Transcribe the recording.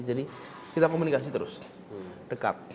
jadi kita komunikasi terus dekat